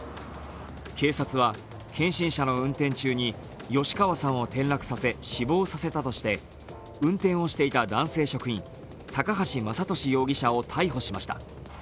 警察は検診車の運転中に吉川さんを転落させ死亡させたとして、運転をしていた男性職員、高橋昌利容疑者を逮捕しました。